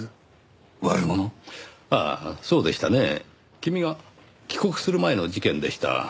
君が帰国する前の事件でした。